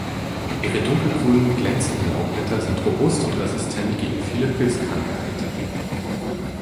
Ihre dunkelgrünen, glänzenden Laubblätter sind robust und resistent gegen viele Pilzkrankheiten.